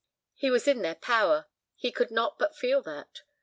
He was in their power, he could not but feel that.